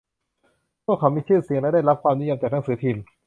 พวกเขามีชื่อเสียงและได้รับความนิยมจากหนังสือพิมพ์